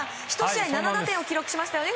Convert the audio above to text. １試合７打点を記録しましたよね。